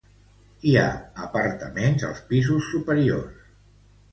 Hi ha apartaments als pisos superiors.